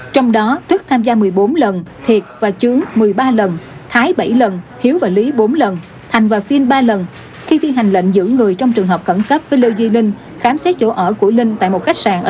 trong đó tức tham gia một mươi bốn lần thiệt và trướng một mươi ba lần thái bảy lần hiếu và lý bốn lần thành và phiên ba lần khi thi hành lệnh giữ người trong trường hợp khẩn cấp với lê duy ninh khám xét chỗ ở của linh tại một khách sạn ở